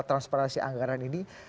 transparansi anggaran ini